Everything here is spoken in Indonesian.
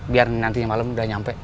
biar nanti malem udah nyampe